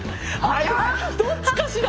どっちかしら？